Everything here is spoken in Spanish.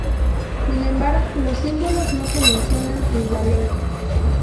Sin embargo, los símbolos no se mencionan en la ley.